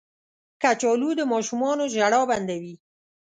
کچالو د ماشومانو ژړا بندوي